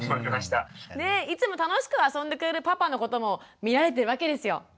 ねっいつも楽しく遊んでくれるパパのことも見られてるわけですよ。